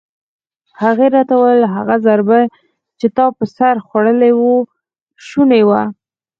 هغې راته وویل: هغه ضربه چې تا پر سر خوړلې وه شونې وه.